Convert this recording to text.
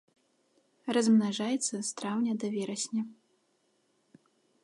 Размнажаецца з траўня да верасня.